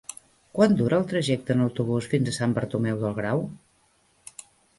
Quant dura el trajecte en autobús fins a Sant Bartomeu del Grau?